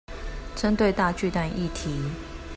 針對大巨蛋議題